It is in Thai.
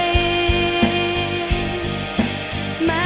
และวันหนึ่งเขาจะหายไป